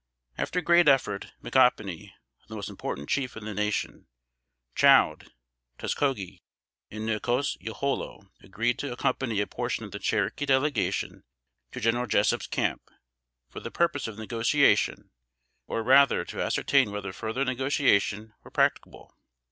After great effort, Micanopy, the most important chief in the Nation, Choud, Toskogee, and Nocose Yoholo, agreed to accompany a portion of the Cherokee Delegation to General Jessup's camp, for the purpose of negotiation, or rather to ascertain whether further negotiation were practicable.